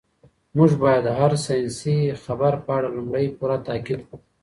موږ باید د هر ساینسي خبر په اړه لومړی پوره تحقیق وکړو.